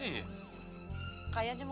jangan lari lo